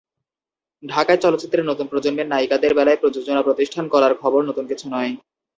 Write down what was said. ঢাকাই চলচ্চিত্রে নতুন প্রজন্মের নায়িকাদের বেলায় প্রযোজনা প্রতিষ্ঠান গড়ার খবর নতুন কিছু নয়।